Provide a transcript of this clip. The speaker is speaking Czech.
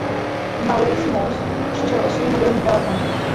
Maurice Moss přišel o svůj mobilní telefon.